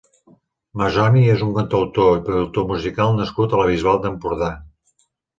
Mazoni és un cantautor i productor musical nascut a la Bisbal d'Empordà.